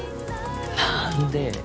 何で？